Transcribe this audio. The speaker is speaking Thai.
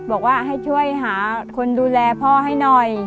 บอกว่าให้ช่วยหาคนดูแลพ่อให้หน่อย